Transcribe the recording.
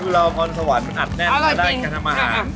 รอมความสะวัดมึงอัดแน่นก็ได้การทำอาหาร